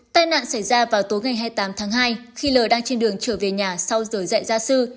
tai nạn xảy ra vào tối ngày hai mươi tám tháng hai khi l đang trên đường trở về nhà sau rời dạy gia sư